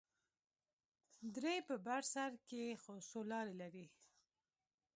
درې په بر سر کښې څو لارې لرلې.